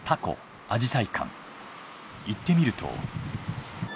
行ってみると。